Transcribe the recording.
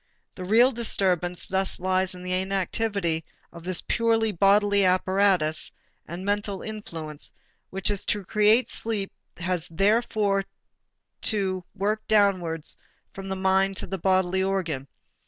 The real disturbance thus lies in the inactivity of this purely bodily apparatus and mental influence which is to create sleep has therefore to work downwards from the mind to a bodily organ.